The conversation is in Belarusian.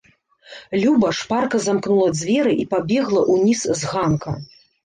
Люба шпарка замкнула дзверы і пабегла ўніз з ганка.